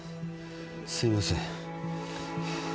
すいません